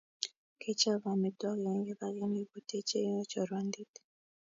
Kechop amitwogik eng kipakenge kotechei chorwandit